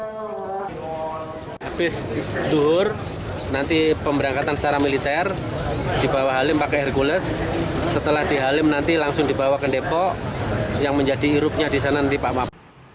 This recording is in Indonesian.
nanti pemberangkatan secara militer dibawa halim pakai hercules setelah di halim nanti langsung dibawa ke depok yang menjadi irupnya disana nanti pak mab